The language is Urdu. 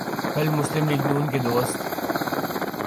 کل مسلم لیگ ن کے دوست